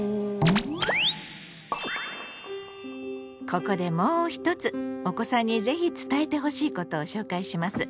ここでもう一つお子さんに是非伝えてほしいことを紹介します。